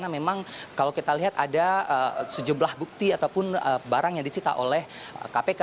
memang kalau kita lihat ada sejumlah bukti ataupun barang yang disita oleh kpk